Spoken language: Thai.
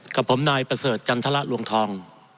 กับผมนายประเสริฐจันทรลวงทอง